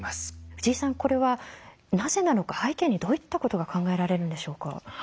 藤井さんこれはなぜなのか背景にどういったことが考えられるんでしょうか。